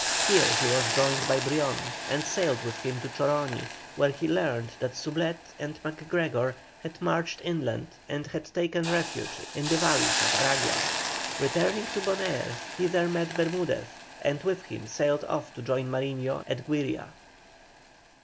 Here he was joined by Brion, and sailed with him for Choroni, where he learned that Soublette and MacGregor had marched inland and had taken refuge in the valleys of Aragua. Returning to Bonaire he there met Bermudez, and with him sailed off to join Mariño at Güiria.